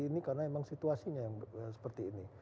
ini karena memang situasinya yang seperti ini